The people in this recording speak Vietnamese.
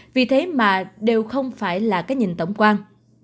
vì thế mà đều không phải là cái nhìn tổng quan